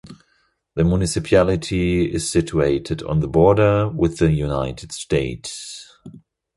The municipality is situated on the border with the United States.